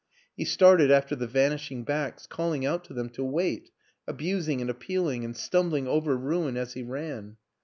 He started after the vanishing backs, calling out to them to wait, abusing and appealing, and stumbling over ruin as he ran.